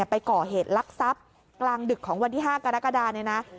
ไปก่อเหตุลักษณ์ทรัพย์กลางดึกของวันที่๕กรกฎา